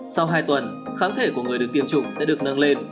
sau hai tuần kháng thể của người được tiêm chủng sẽ được nâng lên